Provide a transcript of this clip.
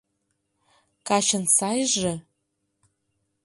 Качын сайже -